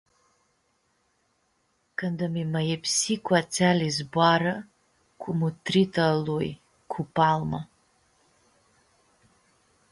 Canda mi-mãyipsi cu atseali zboarã, cu mutrita a lui, cu palma.